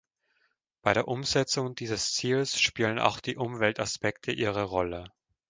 Bei der Umsetzung dieses Ziels spielen auch die Umweltaspekte ihre Rolle.